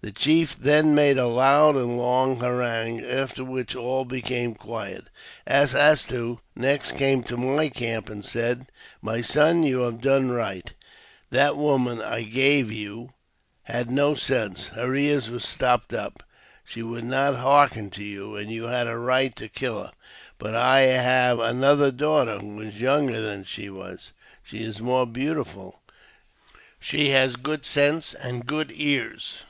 The chief then made a loud and long harangue, after which all became quiet. As as to next came to my camp and said, " My son, you have done right ; that woman I gave you had no sense ; her ears were stopped up ; she would not hearken to you, and you had a right to kill her. But I have another daughter, who is younger than she wag. She is more beauti ful ; she has good sense and good ears.